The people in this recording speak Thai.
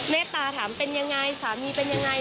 ตตาถามเป็นยังไงสามีเป็นยังไง